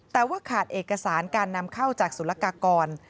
แต่ว่าขาดเอกสารการนำเข้าจากสุรกากร